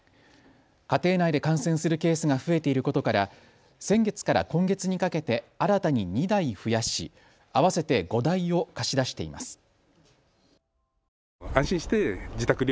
家庭内で感染するケースが増えていることから先月から今月にかけて新たに２台増やし合わせて５台を貸し出しています。